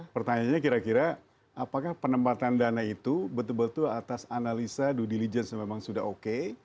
pertanyaannya kira kira apakah penempatan dana itu betul betul atas analisa due diligence memang sudah oke